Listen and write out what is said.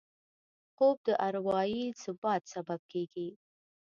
خوب د اروايي ثبات سبب کېږي